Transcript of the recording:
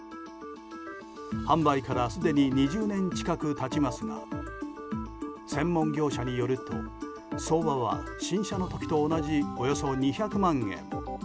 販売からすでに２０年近く経ちますが専門業者によると相場は新車の時と同じおよそ２００万円。